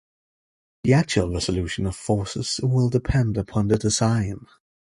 The actual resolution of forces will depend upon the design.